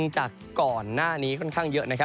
จากก่อนหน้านี้ค่อนข้างเยอะ